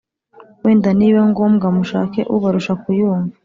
wenda nibiba ngombwa mushake ubarusha kuyumva